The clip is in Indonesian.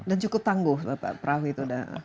cukup tangguh perahu itu